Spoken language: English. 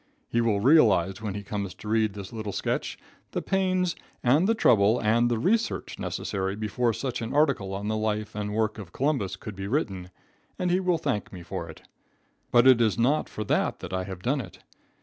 He will realize when he comes to read this little sketch the pains and the trouble and the research necessary before such an article on the life and work of Columbus could be written, and he will thank me for it; but it is not for that that I have done it.